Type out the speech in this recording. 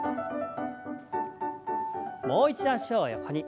もう一度脚を横に。